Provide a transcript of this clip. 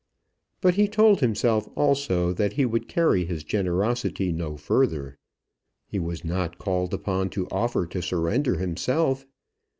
But he told himself also that he would carry his generosity no further. He was not called upon to offer to surrender himself.